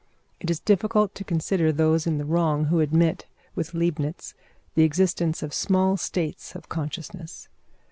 It is difficult to consider those in the wrong who admit, with Leibnitz, the existence of small states of consciousness.